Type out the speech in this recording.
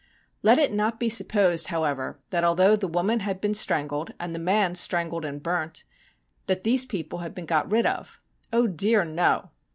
Let it not be supposed, however, that although the woman had been strangled, and the man strangled and burnt, that these people had been got rid of. Oh, dear no